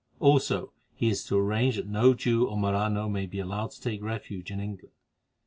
Also he is to arrange that no Jew or Marano may be allowed to take refuge in England.